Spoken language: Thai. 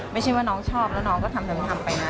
ไม่ใช่ว่าน้องชอบแล้วน้องก็ทำไปนะ